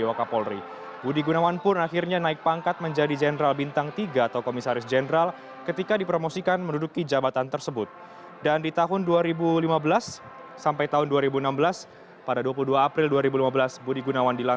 lagu kebangsaan indonesia raya